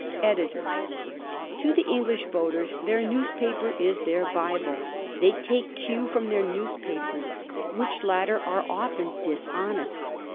EDITOR: To the English voters their newspaper is their Bible. They take cue from their newspapers, which latter are often dishonest.